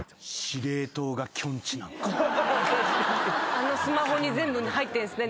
あのスマホに全部入ってんすね。